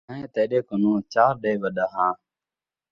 میں تیݙے کنوں چار ݙینہہ وݙا ہاں